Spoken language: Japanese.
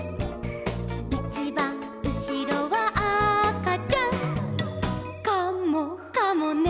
「いちばんうしろはあかちゃん」「カモかもね」